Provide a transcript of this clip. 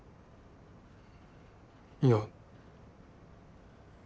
いや。